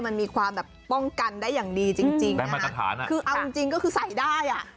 มันมีความป้องกันได้อย่างดีจริงคือเอาจริงก็คือใส่ได้